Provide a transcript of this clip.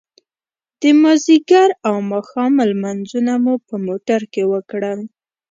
د ماذيګر او ماښام لمونځونه مو په موټر کې وکړل.